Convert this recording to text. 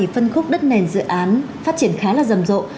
phân khúc đất nền dự án phát triển khá là rầm rộ